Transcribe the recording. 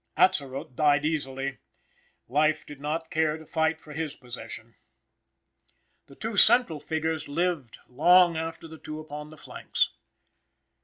Atzerott died easily. Life did not care to fight for his possession. The two central figures lived long after the two upon the flanks.